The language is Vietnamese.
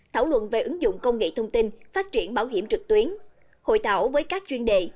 thảo luận về ứng dụng công nghệ thông tin phát triển bảo hiểm trực tuyến hội thảo với các chuyên đề